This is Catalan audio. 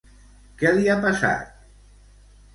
Què li ha passat?